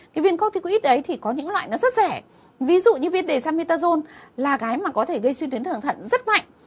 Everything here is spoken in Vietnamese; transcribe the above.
cái viên corticoid ấy thì có những loại nó rất rẻ ví dụ như viên desamethasone là cái mà có thể gây xuyên tuyến thường thận rất mạnh